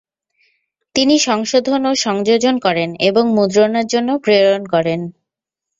তিনি সংশোধন ও সংযোজন করেন এবং মুদ্রণের জন্য প্রেরণ করেন।